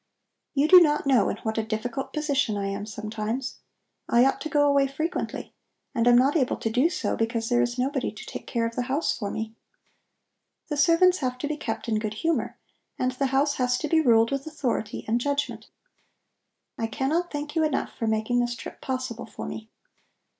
You do not know in what a difficult position I am sometimes. I ought to go away frequently, and am not able to do so because there is nobody to take care of the house for me. The servants have to be kept in good humor, and the house has to be ruled with authority and judgment. I cannot thank you enough for making this trip possible for me."